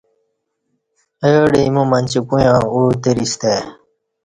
اہ ڈہ ایمو مچی کویاں اوع تریستہ ای